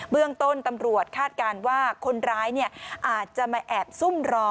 เรื่องต้นตำรวจคาดการณ์ว่าคนร้ายอาจจะมาแอบซุ่มรอ